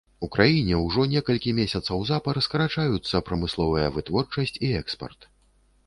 У краіне ўжо некалькі месяцаў запар скарачаюцца прамысловая вытворчасць і экспарт.